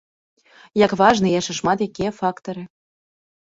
Як важныя і яшчэ шмат якія фактары.